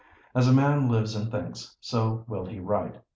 As a man lives and thinks, so will he write.